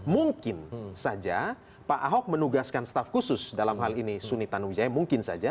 mungkin saja pak ahok menugaskan staf khusus dalam hal ini suni tanuwijaya mungkin saja